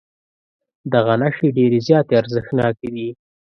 دغه نښې ډېرې زیاتې ارزښتناکې دي.